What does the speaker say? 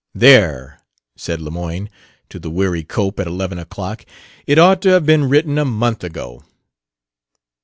"There!" said Lemoyne to the weary Cope at eleven o'clock; "it ought to have been written a month ago."